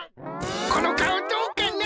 この顔どうかな？